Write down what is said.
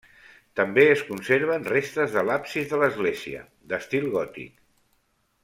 També es conserven restes de l'absis de l'església, d'estil gòtic.